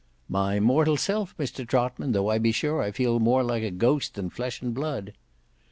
"My mortal self, Mr Trotman, tho' I be sure I feel more like a ghost than flesh and blood."